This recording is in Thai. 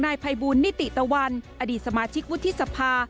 นายภัยบูลนิติตะวันอดีตสมาชิกวุฒิสภา